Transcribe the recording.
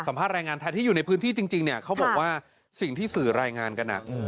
ภาษณแรงงานไทยที่อยู่ในพื้นที่จริงเนี่ยเขาบอกว่าสิ่งที่สื่อรายงานกัน